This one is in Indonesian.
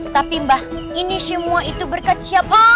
tapi mbah ini semua itu berkat siapa